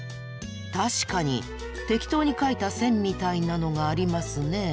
確かに適当に描いた線みたいなのがありますね。